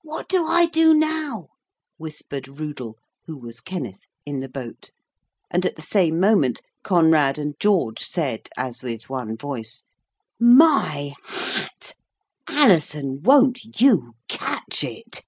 'What do I do now?' whispered Rudel (who was Kenneth) in the boat, and at the same moment Conrad and George said, as with one voice 'My hat! Alison, won't you catch it!'